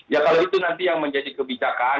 ya kalau itu nanti yang menjadi kebijakan